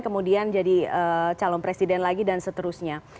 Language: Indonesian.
kemudian jadi calon presiden lagi dan seterusnya